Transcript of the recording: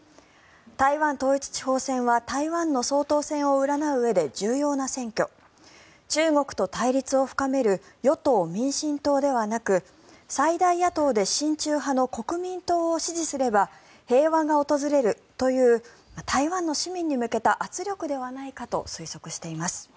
台湾統一地方選は台湾の総統選を占ううえで重要な選挙中国と対立を深める与党・民進党ではなく最大野党で親中派の国民党を支持すれば平和が訪れるという台湾の市民に向けた圧力ではないかと推測しています。